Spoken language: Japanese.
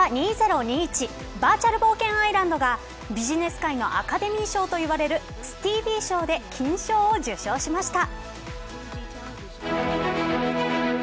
バーチャル冒険アイランドがビジネス界のアカデミー賞といわれるスティービー賞で金賞を受賞しました。